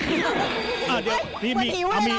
เหมือนหิวเลยเรา